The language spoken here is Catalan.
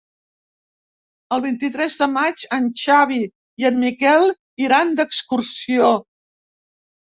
El vint-i-tres de maig en Xavi i en Miquel iran d'excursió.